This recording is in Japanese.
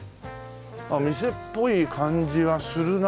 あっ店っぽい感じがするな。